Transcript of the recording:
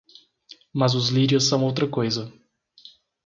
Mas os lírios são outra coisa.